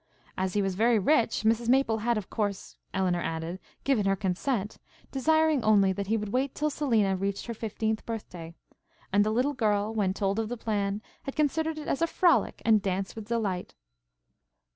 As he was very rich, Mrs Maple had, of course, Elinor added, given her consent, desiring only that he would wait till Selina reached her fifteenth birth day; and the little girl, when told of the plan, had considered it as a frolic, and danced with delight.